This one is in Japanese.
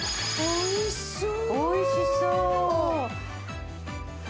おいしそう！